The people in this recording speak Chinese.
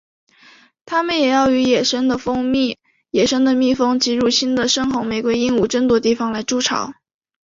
它们也要与野生的蜜蜂及入侵的深红玫瑰鹦鹉争夺地方来筑巢。